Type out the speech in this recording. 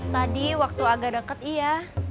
tadi waktu agak dekat iya